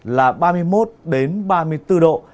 là ba mươi một ba mươi bốn độ